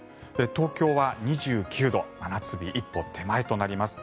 東京は２９度真夏日一歩手前となります。